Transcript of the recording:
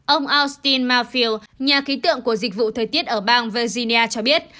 ông austin marfield nhà ký tượng của dịch vụ thời tiết ở bang virginia cho biết